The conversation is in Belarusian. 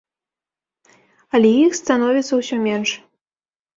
Але іх становіцца ўсё менш.